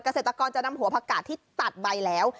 เกษตรกรจะนำหัวผักกาดที่ตัดใบแล้ว